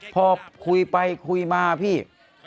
พอคุยไปคุยมาพี่